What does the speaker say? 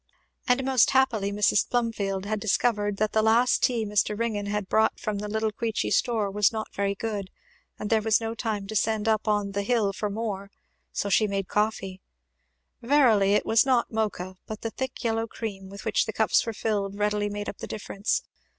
And most happily Mrs. Plumfield had discovered that the last tea Mr. Ringgan had brought from the little Queechy store was not very good, and there was no time to send up on "the hill" for more, so she made coffee. Verily it was not Mocha, but the thick yellow cream with which the cups were filled readily made up the difference.